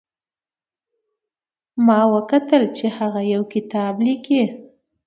ما وکتل چې هغه یو کتاب لیکي